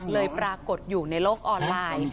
ปรากฏอยู่ในโลกออนไลน์